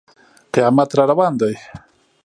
قیامت را روان دی.